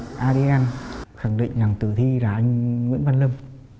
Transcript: khi anh lâm đi ăn khẳng định rằng thử thi là anh nguyễn văn lâm